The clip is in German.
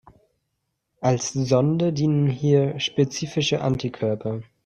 Als Sonde dienen hier spezifische Antikörper.